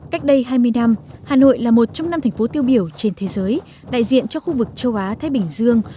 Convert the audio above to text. cách đây hai mươi năm hà nội là một trong năm thành phố tiêu biểu trên thế giới đại diện cho khu vực châu á thái bình dương